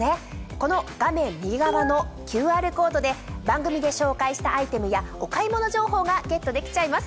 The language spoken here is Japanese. この画面右側のＱＲコードで番組で紹介したアイテムやお買い物情報がゲットできちゃいます。